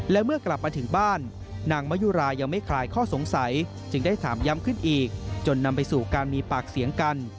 และเมื่อกลับมาถึงบ้านนางมะยุรายังไม่คลายข้อสงสัยจึงได้ถามย้ำขึ้นอีกจนนำไปสู่การมีปากเสียงกัน